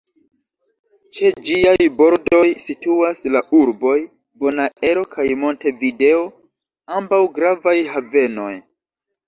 Ĉe ĝiaj bordoj situas la urboj Bonaero kaj Montevideo, ambaŭ gravaj havenoj.